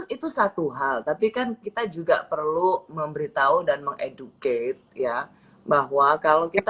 itu satu hal tapi kan kita juga perlu memberitahu dan mengeducate ya bahwa kalau kita